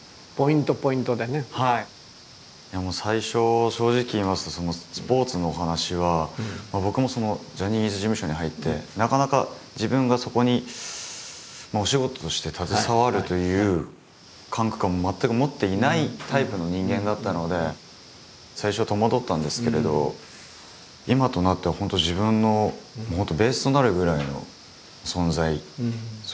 最初正直言いますとスポーツのお話は僕もジャニーズ事務所に入ってなかなか自分がそこにお仕事として携わるという感覚は全く持っていないタイプの人間だったので最初は戸惑ったんですけれど今となっては本当そういう時間なので。